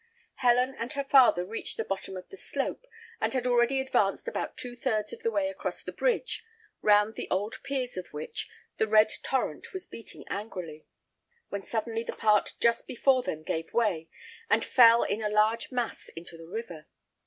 Helen and her father reached the bottom of the slope, and had already advanced about two thirds of the way across the bridge, round the old piers of which the red torrent was beating angrily, when suddenly the part just before them gave way, and fell in a large mass into the river.